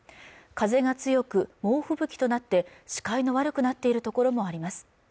風が強く猛吹雪となって視界の悪くなっているところもあります